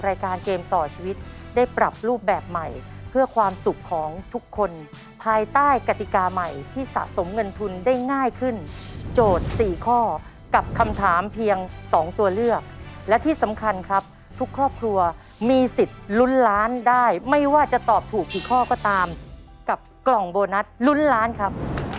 รายการเกมต่อชีวิตได้ปรับรูปแบบใหม่เพื่อความสุขของทุกคนภายใต้กติกาใหม่ที่สะสมเงินทุนได้ง่ายขึ้นโจทย์๔ข้อกับคำถามเพียง๒ตัวเลือกและที่สำคัญครับทุกครอบครัวมีสิทธิ์ลุ้นล้านได้ไม่ว่าจะตอบถูกกี่ข้อก็ตามกับกล่องโบนัสลุ้นล้านครับ